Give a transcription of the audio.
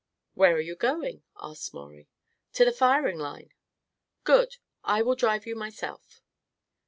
"Where are you going?" asked Maurie. "To the firing line." "Good. I will drive you myself."